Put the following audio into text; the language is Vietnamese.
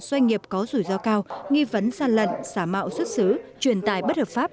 doanh nghiệp có rủi ro cao nghi vấn gian lận xả mạo xuất xứ truyền tài bất hợp pháp